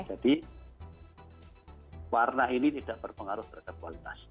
jadi warna ini tidak berpengaruh pada kualitas